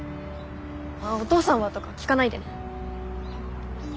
「お父さんは？」とか聞かないでね。